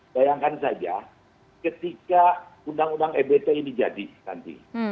bayangkan saja ketika undang undang ebt ini jadi nanti